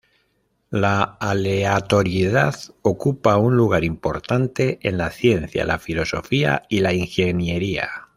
La aleatoriedad ocupa un lugar importante en la ciencia, la filosofía y la ingeniería.